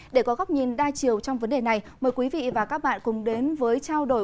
để có góc nhìn đa chiều trong vấn đề này mời quý vị và các bạn cùng đến với trao đổi